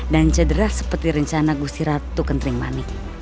dan cedera seperti rencana gusti ratu kenering manik